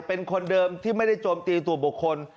เป็นคนเดิมที่ไม่ได้โจมตีตัวบุคคล